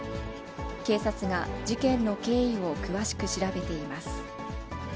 警察が事件の経緯を詳しく調べています。